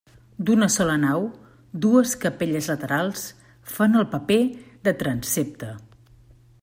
D'una sola nau, dues capelles laterals fan el paper de transsepte.